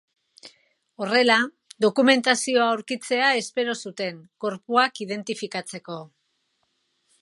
Horrela, dokumentazioa aurkitzea espero zuten, gorpuak identifikatzeko.